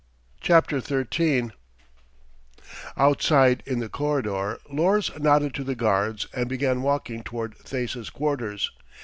CHAPTER THIRTEEN Outside, in the corridor, Lors nodded to the guards and began walking toward Thesa's quarters.